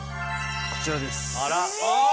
こちらです。